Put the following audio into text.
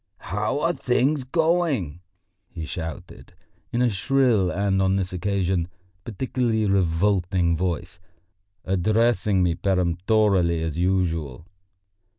"How are things going?" he shouted, in a shrill and on this occasion particularly revolting voice, addressing me peremptorily as usual.